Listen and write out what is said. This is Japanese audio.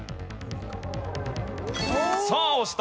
さあ押した。